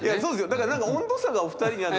だから何か温度差がお二人にある。